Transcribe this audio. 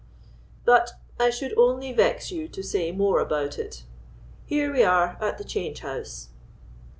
But I should only vex you to say more about it—here we are at the change house."